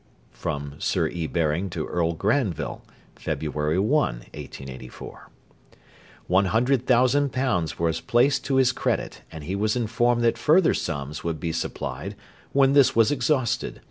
[Sir E. Baring to Earl Granville, February 1, 1884.] One hundred thousand pounds was placed to his credit, and he was informed that further sums would be supplied when this was exhausted.